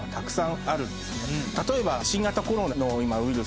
例えば。